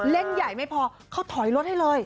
เล่นใหญ่ไม่พอเขาถอยรถให้เลย